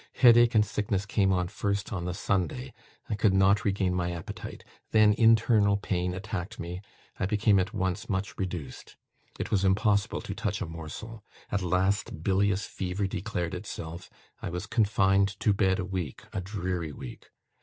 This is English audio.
Headache and sickness came on first on the Sunday; I could not regain my appetite. Then internal pain attacked me. I became at once much reduced. It was impossible to touch a morsel. At last, bilious fever declared itself. I was confined to bed a week, a dreary week.